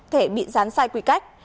thẻ bị rán sai quy cách